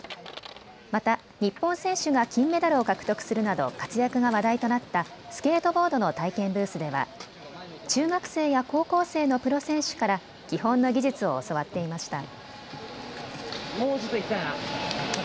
また日本選手が金メダルを獲得するなど活躍が話題となったスケートボードの体験ブースでは中学生や高校生のプロ選手から基本の技術を教わっていました。